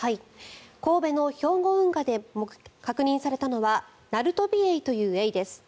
神戸の兵庫運河で確認されたのはナルトビエイというエイです。